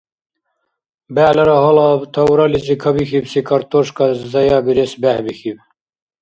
БегӀлара гьалаб таврализи кабихьибси картошка заябирес бехӀбихьиб.